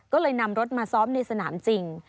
ก็เลยนำรถมาซ้อมในสนามจริง